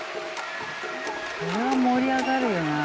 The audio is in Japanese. これは盛り上がるよな。